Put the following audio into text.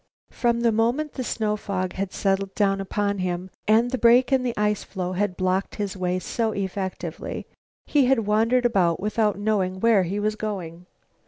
From the moment the snow fog had settled down upon him and the break in the ice floe had blocked his way so effectively, he had wandered about without knowing where he was going.